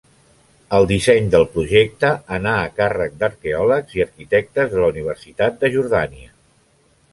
El disseny del projecte anà a càrrec d'arqueòlegs i arquitectes de la Universitat de Jordània.